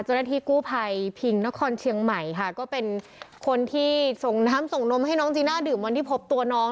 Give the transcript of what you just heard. เจ้าหน้าที่กู้ภัยพิงนครเชียงใหม่ค่ะก็เป็นคนที่ส่งน้ำส่งนมให้น้องจีน่าดื่มวันที่พบตัวน้อง